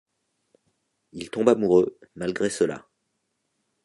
Ils tombent amoureux, malgré cela.